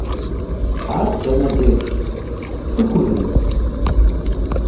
Ар дэнэ деж? ПцӀыхужыну?